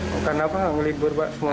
kenapa libur semua